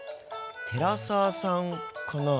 寺澤さんかな？